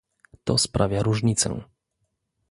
To sprawia różnicę